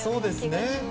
そうですね。